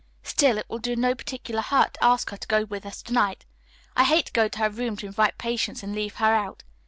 "Still, it will do no particular hurt to ask her to go with us to night. I hate to go to her room to invite Patience and leave her out.